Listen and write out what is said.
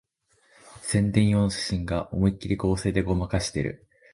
宣伝用の写真が思いっきり合成でごまかしてる